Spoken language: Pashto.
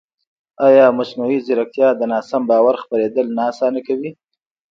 ایا مصنوعي ځیرکتیا د ناسم باور خپرېدل نه اسانه کوي؟